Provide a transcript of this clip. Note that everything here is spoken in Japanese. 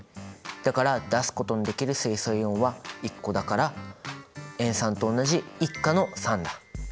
だから出すことのできる水素イオンは１個だから塩酸と同じ１価の酸だ。